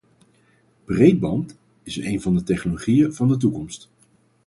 Breedband is een van de technologieën van de toekomst.